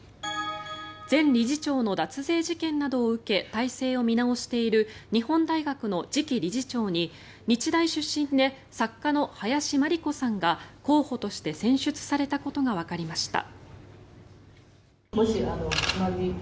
前理事長の脱税事件などを受け体制を見直している日本大学の次期理事長に日大出身で作家の林真理子さんが候補として選出されたことがわかりました。